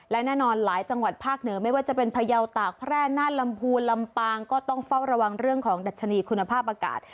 และแน่นอนหลายจังหวัดภาคเหนือไม่ว่าจะเป็นพยาวตากแพร่น่านลำพูนลำปางก็ต้องเฝ้าระวังเรื่องของดัชนีคุณภาพอากาศ